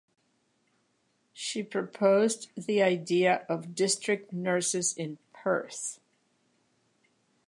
She proposed the idea of district nurses in Perth.